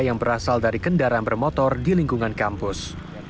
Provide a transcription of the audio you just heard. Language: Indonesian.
yang berasal dari kendaraan bermotor di lingkungan kampus